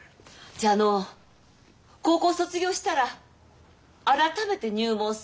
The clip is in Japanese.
じゃああの高校卒業したら改めて入門するってことなのね？